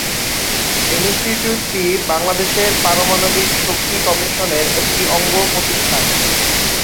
ইনস্টিটিউটটি বাংলাদেশ পারমাণবিক শক্তি কমিশনের একটি অঙ্গ প্রতিষ্ঠান।